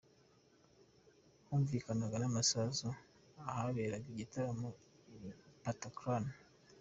Humvikanaga n’amasasu ahaberaga igitaramo i Bataclan.